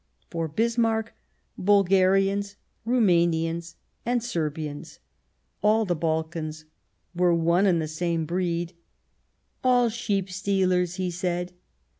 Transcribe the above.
For Bismarck, Bul garians, Rumanians and Serbians — all the Balkans —were one and the same breed ;" all sheep stealers," he said.